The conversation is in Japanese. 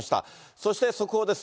そして速報です。